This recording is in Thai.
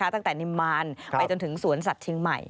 ตั้งแต่นิมมานไปจนถึงสวนสัตว์เชียงใหม่